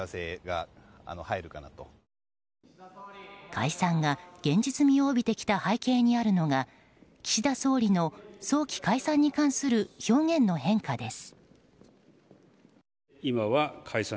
解散が現実味を帯びてきた背景にあるのが岸田総理の早期解散に関する表現の変化です。